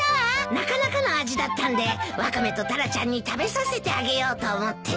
なかなかの味だったんでワカメとタラちゃんに食べさせてあげようと思ってね。